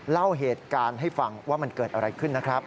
เล่าเหตุการณ์ให้ฟังว่ามันเกิดอะไรขึ้นนะครับ